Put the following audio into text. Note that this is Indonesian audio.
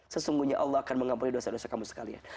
sesungguhnya allah akan mengampuni dosa dosa kamu sekalian